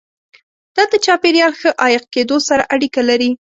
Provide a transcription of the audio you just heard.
دا د چاپیریال ښه عایق کېدو سره اړیکه لري.